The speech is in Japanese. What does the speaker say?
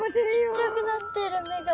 ちっちゃくなってる目が。